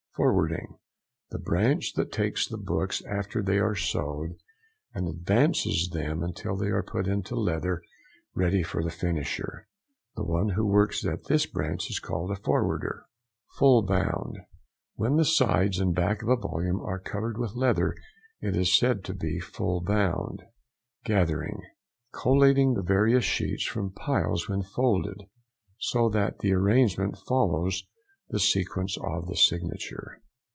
FORWARDING.—The branch that takes the books after they are sewed, and advances them until they are put into leather ready for the finisher. The one who works at this branch is called a forwarder. FULL BOUND.—When the sides and back of a volume are covered with leather it is said to be full bound. GATHERING.—Collecting the various sheets from piles when folded, so that the |176| arrangement follows the sequence of the signature.